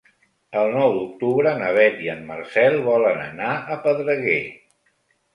El nou d'octubre na Beth i en Marcel volen anar a Pedreguer.